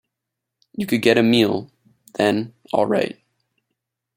You could get a meal, then, all right.